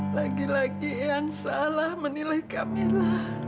lagi lagi yang salah menilai kamilah